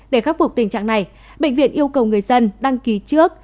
để khắc phục tình trạng này bệnh viện yêu cầu người dân đăng ký trước